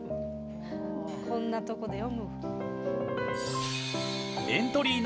こんなとこで読む。